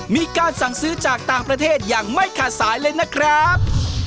มีการสั่งซื้อจากต่างประเทศอย่างไม่ขาดสายเลยนะครับ